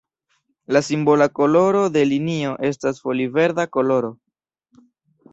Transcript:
La simbola koloro de linio estas foli-verda koloro.